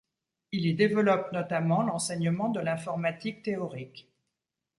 Il y développe notamment l'enseignement de l'informatique théorique.